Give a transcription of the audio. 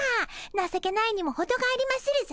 なさけないにもほどがありまするぞ。